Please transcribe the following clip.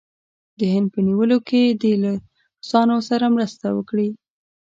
د هند په نیولو کې دې له روسانو سره مرسته وکړي.